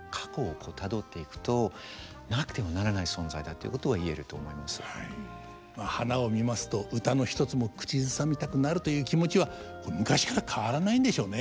たくさんあるわけですけれどもまあ花を見ますと歌の一つも口ずさみたくなるという気持ちは昔から変わらないんでしょうね。